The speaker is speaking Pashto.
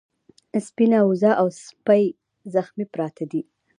سپينه وزه او سپی زخمي پراته دي.